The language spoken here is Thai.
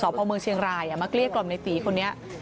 สอบภาวเมืองเชียงรายมาเกลียดกล่อมในปีคนนี้